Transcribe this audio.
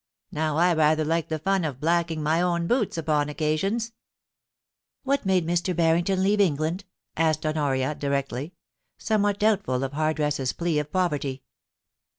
Now I rather like the fun of blacking my own boots upon occasions. *What made Mr. Barrington leave England P asked Honoria directly, somewhat doubtful of Hardress's plea of poverty.